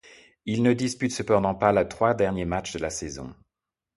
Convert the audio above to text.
Il ne dispute cependant pas les trois derniers matchs de la saison.